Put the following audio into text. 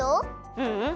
ううん。